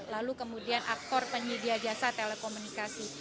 lalu kemudian aktor penyedia jasa telekomunikasi